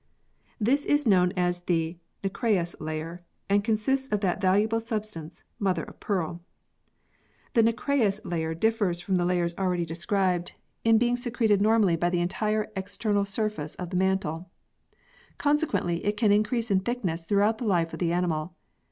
It is known as the nacreous layer, and consists of that valuable substance, mother of pearl. The nacreous layer differs from the layers already HI] THE PEARL OYSTER 23 described in being secreted normally by the entire external surface of the mantle. Consequently, it can increase in thickness throughout the life of the animal.